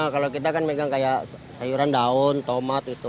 kalau kita kan megang kayak sayuran daun tomat gitu